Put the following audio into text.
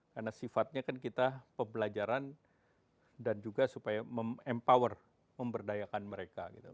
karena sifatnya kan kita pebelajaran dan juga supaya empower memberdayakan mereka gitu